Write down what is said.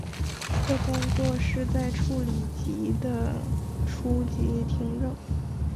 的工作是在处理及的初步听证。